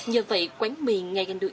nhờ vậy quán mì ngay gần được